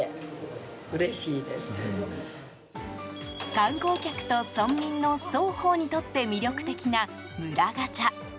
観光客と村民の双方にとって魅力的な村ガチャ。